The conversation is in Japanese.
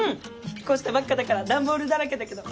引っ越したばっかだから段ボールだらけだけど。